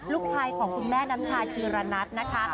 ลูกชายของคุณแม่น้ำชายชีวิธีรณะนะคะ